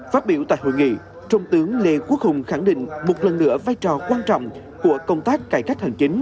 phát biểu tại hội nghị trung tướng lê quốc hùng khẳng định một lần nữa vai trò quan trọng của công tác cải cách hành chính